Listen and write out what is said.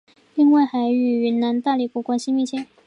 另外还与云南大理国关系密切。